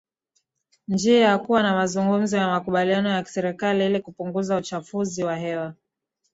njia ya kuwa na mazungumzo ya makubaliano ya kiserikali ili kupunguza uchafuzi wa hewa